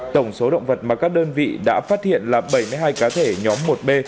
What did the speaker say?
tổng số động vật mà các đơn vị đã phát hiện là bảy mươi hai cá thể nhóm một b